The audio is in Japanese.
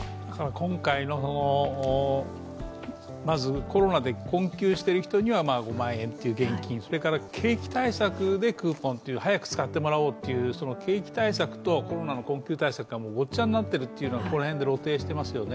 今回、まずコロナで困窮している人には５万円という現金、景気対策でクーポン早く使ってもらおうっていう景気対策とコロナの対策がごっちゃになっているというのが露呈していますよね。